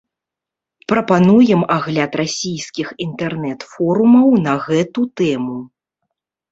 Прапануем агляд расійскіх інтэрнэт-форумаў на гэту тэму.